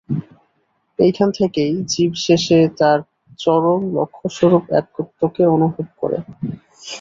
এইখান থেকেই জীব শেষে তার চরম লক্ষ্যস্বরূপ একত্বকে অনুভব করে।